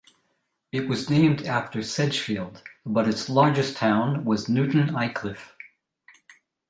It was named after Sedgefield; but its largest town was Newton Aycliffe.